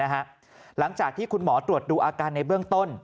หลังจากที่คุณหมอตรวจดูอาการในเบื้องต้น